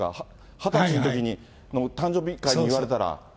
２０歳のときに、誕生日会で言われたら。